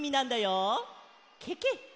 ケケ！